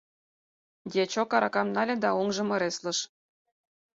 Дьячок аракам нале да оҥжым ыреслыш: